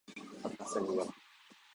ประกาศนียบัตร